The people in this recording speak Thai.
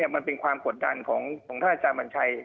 มันเป็นความกดดันของท่านอาจารย์วันชัย